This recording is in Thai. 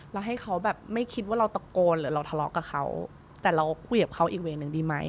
ให้เขาแบบไม่คิดว่าเราตะโกนหรือเราทะเลาะกับเขาแต่เราคุยกับเขาอีกเวนหนึ่งดีไหม